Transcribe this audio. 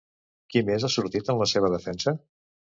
Qui més ha sortit en la seva defensa?